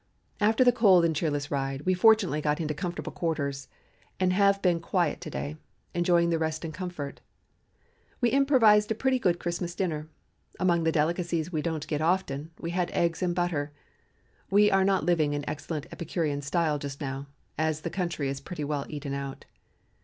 "After the cold and cheerless ride we fortunately got into comfortable quarters, and have been quiet to day, enjoying the rest and comfort. We improvised a pretty good Christmas dinner. Among the delicacies we don't get often, we had eggs and butter. We are not living in excellent Epicurean style just now, as the country is pretty well eaten out.